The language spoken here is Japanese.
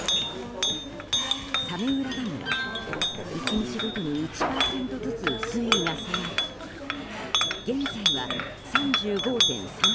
早明浦ダムは１日ごとに１％ずつ水位が下がり現在は３５．３％。